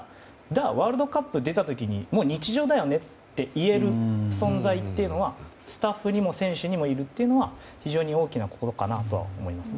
ワールドカップに出た時にもう日常だよねと言える存在というのはスタッフにも選手にもいるのは非常に大きなところかなと思いますね。